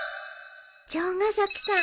城ヶ崎さん